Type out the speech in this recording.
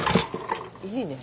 いいね。